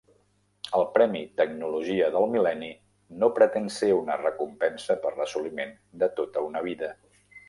El Premi Tecnologia del Mil·lenni no pretén ser una recompensa per l'assoliment de tota una vida.